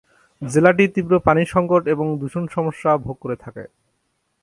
জেলাটি তীব্র পানি সংকট এবং দূষণ সমস্যা ভোগ করে থাকে।